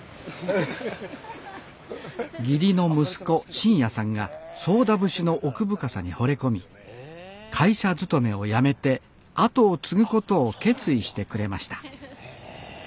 義理の息子真矢さんが宗田節の奥深さにほれ込み会社勤めを辞めて後を継ぐことを決意してくれました